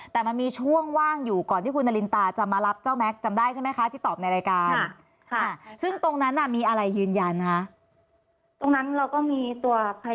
แต่มีช่วงว่างอยู่ก่อนที่คุณนารินตาจะมารับไทม์ที่ตอบในรายการสึ่งตรงนั้นมีอะไรยืนยันนะคะ